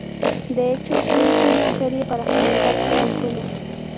De hecho, se hizo una serie para fomentar su consumo.